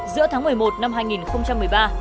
giữa tháng một mươi một năm hai nghìn một mươi ba